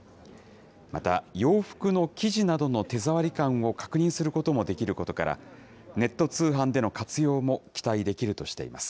また、洋服の生地などの手触り感を確認することもできることから、ネット通販での活用も期待できるとしています。